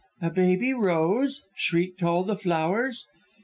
A baby rose!' shrieked all the flowers.